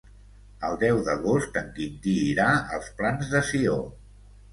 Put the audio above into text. El deu d'agost en Quintí irà als Plans de Sió.